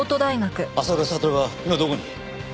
浅倉悟は今どこに？